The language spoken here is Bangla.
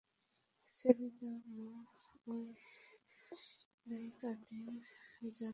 ছেড়ে দে ওম, এই নাইকাদের জাতই এমন।